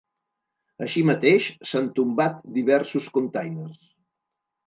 Així mateix, s’han tombat diversos containers.